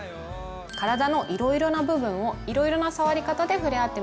体のいろいろな部分をいろいろな触り方でふれあってみましょう。